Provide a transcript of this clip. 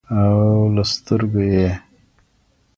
او له سترګو یې